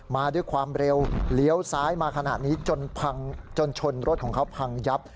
มาด้วยความเร็วเลี้ยวซ้ายมาขนาดนี้จนพังจนชนรถของเขาพังยับ